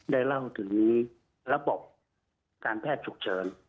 ได้เล่าถึงระบบการแพทย์ฉุกเฉิน